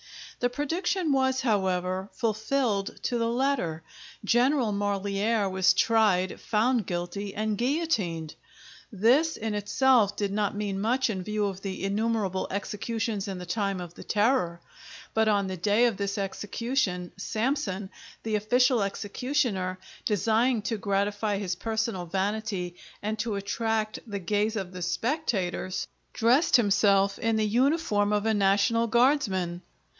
The prediction was, however, fulfilled to the letter. General Marlière was tried, found guilty, and guillotined. This in itself did not mean much in view of the innumerable executions in the time of the Terror; but, on the day of this execution, Samson, the official executioner, desiring to gratify his personal vanity and to attract the gaze of the spectators, dressed himself in the uniform of a national guardsman.